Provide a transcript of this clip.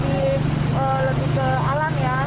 jadi kan lebih ke alam ya